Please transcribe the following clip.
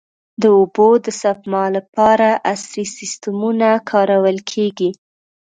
د اوبو د سپما لپاره عصري سیستمونه کارول کېږي.